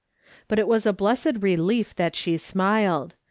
Eut it was a blessed relief that she smiled.